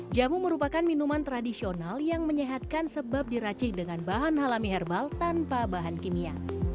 jamu merupakan minuman tradisional yang menyehatkan sebab diracik dengan bahan alami herbal tanpa bahan kimia